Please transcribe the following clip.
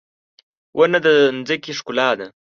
• ونه د ځمکې ښکلا ده.